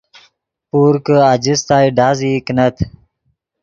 پور کہ آجستائے ڈازئی کینت